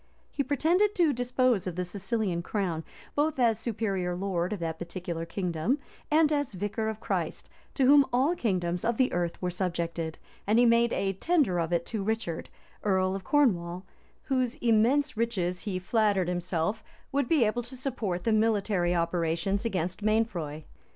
He pretended to dispose of the Sicilian crown, both as superior lord of that particular kingdom, and as vicar of Christ, to whom all kingdoms of the earth were subjected; and he made a tender of it to Richard, earl of Cornwall, whose immense riches, he flattered himself, would be able to support the military operations against Mainfroy.